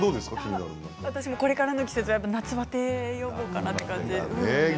私もこれからの季節夏バテ予防かなという感じです。